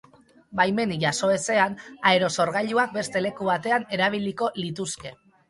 Baimenik jaso ezean, aerosorgailuak beste leku batean erabiliko lituzke.